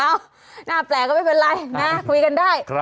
หน้าแปลกก็ไม่เป็นไรนะคุยกันได้